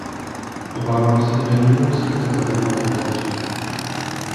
Obávám se, že nyní musím tato témata uzavřít.